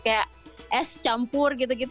kayak es campur gitu gitu